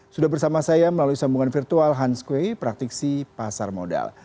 sudah bersama saya melalui sambungan virtual hans kue praktisi pasar modal